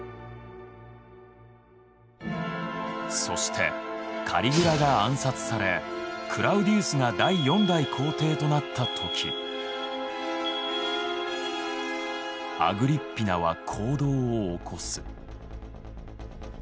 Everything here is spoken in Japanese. そしてカリグラが暗殺されクラウディウスが第４代皇帝となった時アグリッピナは行動を起こす。